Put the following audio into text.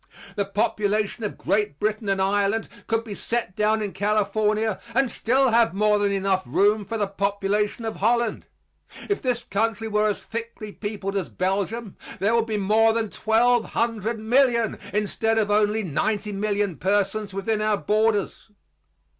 The population of Great Britain and Ireland could be set down in California and still have more than enough room for the population of Holland. If this country were as thickly peopled as Belgium there would be more than twelve hundred million instead of only ninety million persons within our borders.